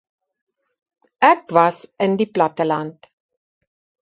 Ek was in die platteland